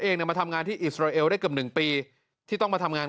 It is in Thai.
มาทำงานที่อิสราเอลได้เกือบ๑ปีที่ต้องมาทำงาน